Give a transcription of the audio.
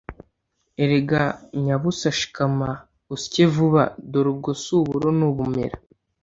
Erega nyabusa shikama usye vuba, dore ubwo si uburo ni ubumera!”